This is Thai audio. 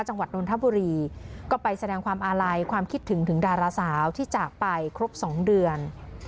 จังหวัดนนทบุรีก็ไปแสดงความอาลัยความคิดถึงถึงดาราสาวที่จากไปครบ๒เดือน